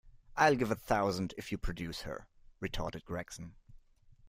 I'll give a thousand if you produce her, retorted Gregson.